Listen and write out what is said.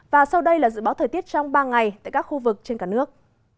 và sau đây là dự báo thời tiết trong ba ngày tại các khu vực trên cả nước